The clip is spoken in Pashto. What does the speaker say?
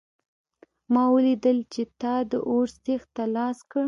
ما ولیدل چې تا د اور سیخ ته لاس کړ